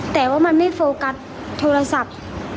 แต่ว่ามันไม่โฟกัสโทรศัพท์